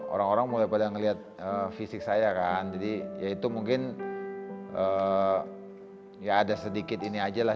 orang orang mulai pada ngeliat fisik saya kan jadi ya itu mungkin ya ada sedikit ini aja lah